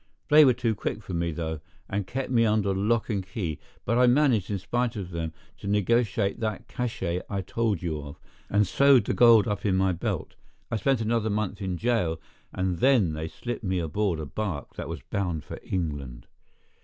They were too quick for me, though, and kept me under lock and key; but I managed, in spite of them, to negotiate that cach├® I told you of, and sewed the gold up in my belt. I spent another month in jail, and then they slipped me aboard a bark that was bound for England.